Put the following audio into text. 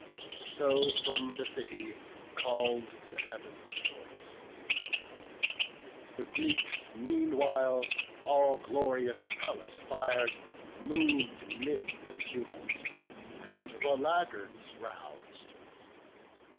So from the city call'd the heav'nly voice; The Greeks, meanwhile, all glorious Pallas fir'd, Mov'd 'mid the tumult, and the laggards rous'd.